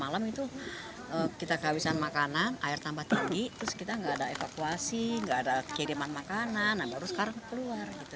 sekarang itu kita kehabisan makanan air tambah tinggi terus kita gak ada evakuasi gak ada kiriman makanan nah baru sekarang keluar